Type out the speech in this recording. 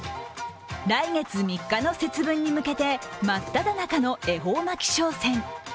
来月３日の節分に向けて真っただ中の恵方巻き商戦。